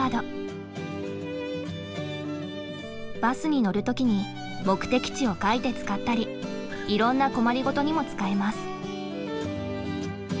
バスに乗る時に目的地を書いて使ったりいろんな困りごとにも使えます。